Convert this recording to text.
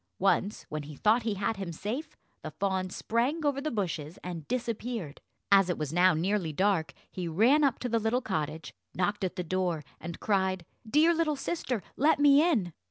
Once, when he thought he had him safe, the fawn sprang over the bushes and disappeared. As it was now nearly dark, he ran up to the little cottage, knocked at the door, and cried, "Dear little sister, let me in."